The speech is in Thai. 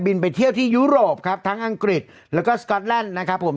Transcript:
ไปเที่ยวที่ยุโรปครับทั้งอังกฤษแล้วก็สก๊อตแลนด์นะครับผม